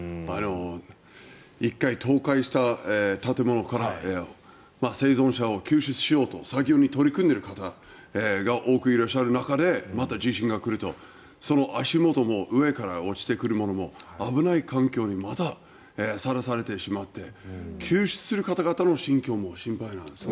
１回倒壊した建物から生存者を救出しようと作業に取り組んでいる方が多くいらっしゃる中でまた地震が来ると、その足元も上から落ちてくるものも危ない環境にまださらされてしまって救出する方々の心境も心配ですね。